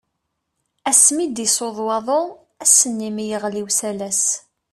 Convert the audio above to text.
Asmi i d-yessuḍ waḍu, ass-nni mi yeɣli usalas.